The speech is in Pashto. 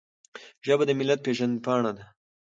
ژبه د ملت پیژند پاڼه ده.